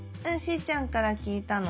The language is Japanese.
ちゃんから聞いたの。